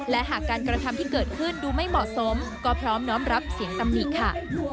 และหากการกระทำที่เกิดขึ้นดูไม่เหมาะสมก็พร้อมน้อมรับเสียงตำหนิค่ะ